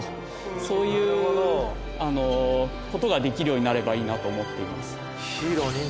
そういうことができるようになればいいなと思っています。